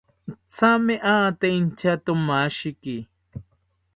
Thame ate inchatomashiki